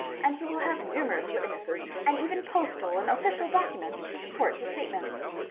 and he will have numerous witnesses and even postal and official documents to support his statements.